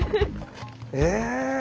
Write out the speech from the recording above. え？